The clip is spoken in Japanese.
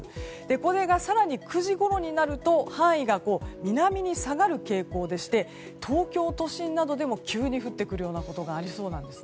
これが更に９時ごろになると範囲が南に下がる傾向でして東京都心などでも急に降ってくるようなことがありそうです。